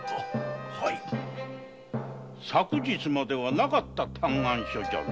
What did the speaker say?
昨日までなかった嘆願書だが？